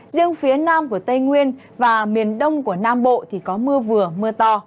riêng phía nam của tây nguyên và miền đông của nam bộ thì có mưa vừa mưa to